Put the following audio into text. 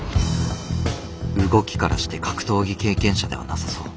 動きからして格闘技経験者ではなさそう。